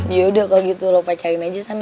ya udah kalo gitu lo pacarin aja sama